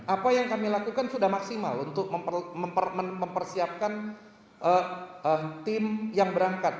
apa yang kami lakukan sudah maksimal untuk mempersiapkan tim yang berangkat